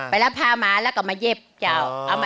รับผ้ามาแล้วก็มาเย็บเจ้า